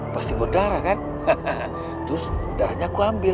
pasti buat darah kan hehehe terus darahnya aku ambil